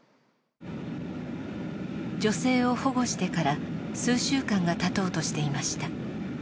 女性を保護してから数週間が経とうとしていました。